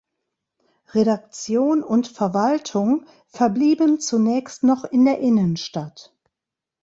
Redaktion und Verwaltung verblieben zunächst noch in der Innenstadt.